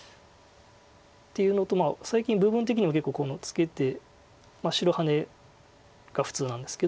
っていうのと最近部分的にも結構このツケて白ハネが普通なんですけど。